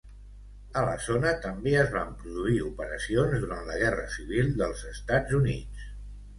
A la zona també es van produir operacions durant la Guerra Civil dels Estats Units.